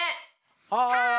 はい！